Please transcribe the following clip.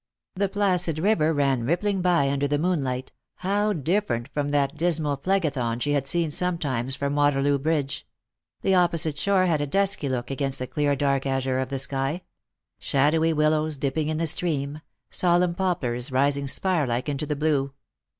The placid river ran rippling by under the moon light — how different from that dismal Phlegethon she had seen sometimes from Waterloo bridge !— the opposite shore had a dusky look against the clear dark azure of the sky ; shadowy willows dipping in the stream, solemn poplars rising spire like into the blue.